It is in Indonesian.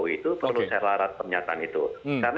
itu perlu serah alat mungkin